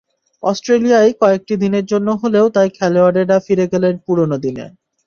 অস্ট্রেলিয়ায় কয়েকটি দিনের জন্য হলেও তাই খেলোয়াড়েরা ফিরে গেলেন পুরোনো দিনে।